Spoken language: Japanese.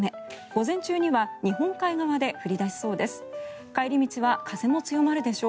午前中には日本海側で降り出しそうです。